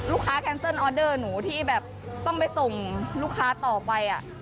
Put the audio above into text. แคนเซิลออเดอร์หนูที่แบบต้องไปส่งลูกค้าต่อไป